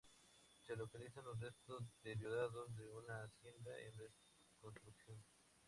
Se localizan los restos deteriorados de una hacienda en reconstrucción.